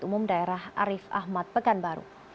di rumah daerah arief ahmad pekanbaru